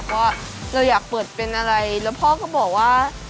ว่าเราอยากเปิดเป็นอะไรแล้วพ่อก็บอกว่า